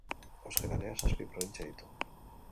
Euskal Herriak zazpi probintzia ditu.